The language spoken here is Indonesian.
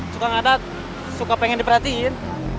suka ngadat suka pengen diperhatiin